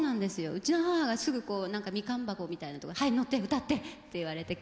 うちの母がすぐこう何かみかん箱みたいなとこに「はい乗って歌って」って言われて。